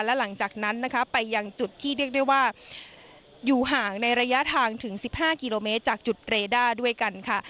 และหลังจากนั้นนะคะไปยังจุดที่เรียกได้ว่าอยู่ห่างในระยะทางถึง๑๕กิโลเมตรจากจุดเรด้าด้วยกันค่ะ